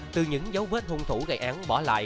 từ những dấu vết hung thủ gây án bỏ lại